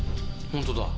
本当だ。